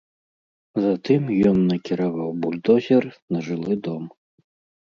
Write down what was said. Затым ён накіраваў бульдозер на жылы дом.